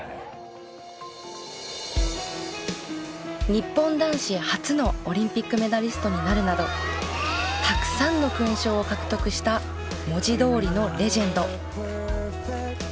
日本男子初のオリンピックメダリストになるなどたくさんの勲章を獲得した文字どおりのレジェンド。